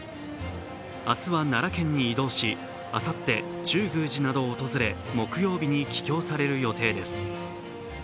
明日は奈良県に移動し、あさって中宮寺などを訪れ木曜日に帰京される予定です。